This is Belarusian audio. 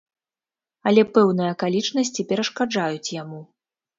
Але пэўныя акалічнасці перашкаджаюць яму.